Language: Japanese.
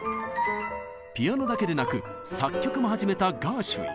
ピアノだけでなく作曲も始めたガーシュウィン。